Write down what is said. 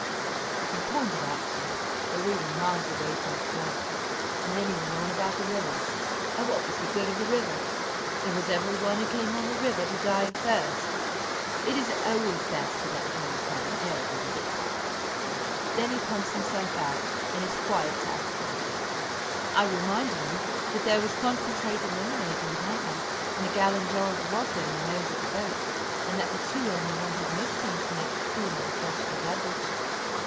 I pointed out to him that we were miles away from a pub.; and then he went on about the river, and what was the good of the river, and was everyone who came on the river to die of thirst? It is always best to let Harris have his head when he gets like this. Then he pumps himself out, and is quiet afterwards. I reminded him that there was concentrated lemonade in the hamper, and a gallon jar of water in the nose of the boat, and that the two only wanted mixing to make a cool and refreshing beverage.